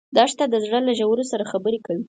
دښته د زړه له ژورو سره خبرې کوي.